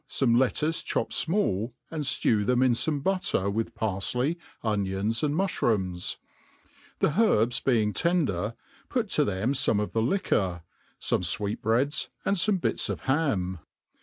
fome lettuce chopped fmall, and ftew them in fome butter with parfley, onions, and muflirooms : the herbs being tender put to them fome of the liquor, fome fweet breads and fome bits , of ham.